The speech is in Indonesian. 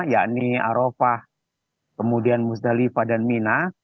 yakni arofah kemudian musdalifah dan mina